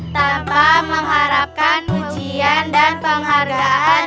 tanpa mengharapkan ujian dan penghargaan